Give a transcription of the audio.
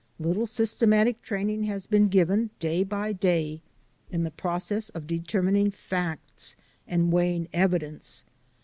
Little system atic training has been given day by day in the processes of determining facts and weighing evi dence.